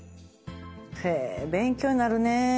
へぇ勉強になるねぇ。